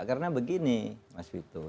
karena begini mas fituh